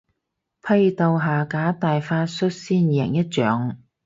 批鬥下架大法率先贏一仗